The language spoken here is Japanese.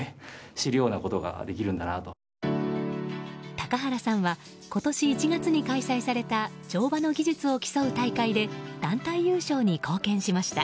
高原さんは今年１月に開催された乗馬の技術を競う大会で団体優勝に貢献しました。